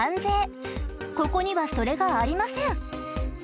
ここにはそれがありません。